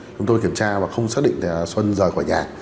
chúng tôi kiểm tra và không xác định là xuân rời khỏi nhà